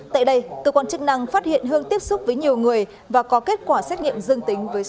tại đây tư quan chức năng phát hiện hương tiếp xúc với nhiều người và có kết quả xét nghiệm dương tính với sars cov hai